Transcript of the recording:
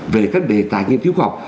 về các đề tài nghiên cứu khoa học